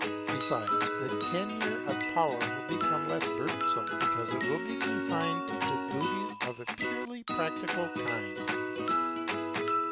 Besides, the tenure of power will become less burdensome, because it will be confined to duties of a purely practical kind.